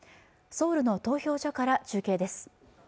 ソウルの投票所から中継です